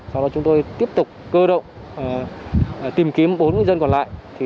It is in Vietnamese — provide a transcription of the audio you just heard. sau đó chúng tôi tiếp tục cơ động tìm kiếm bốn ngư dân còn lại